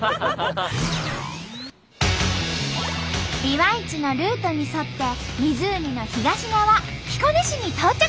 ビワイチのルートに沿って湖の東側彦根市に到着。